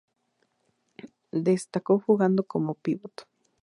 Destacó jugando como pívot.